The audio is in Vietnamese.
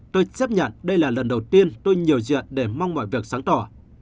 tôi chấp nhận đây là lần đầu tiên tôi nhiều diện để mong mọi việc sáng tỏ